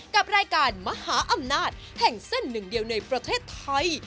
กับรายการมหาอำนาจแห่งเส้นหนึ่งเดียวในประเทศไทย